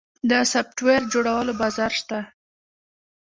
د سافټویر جوړولو بازار شته؟